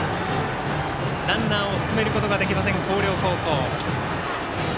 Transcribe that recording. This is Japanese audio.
ランナーを進めることができません広陵高校。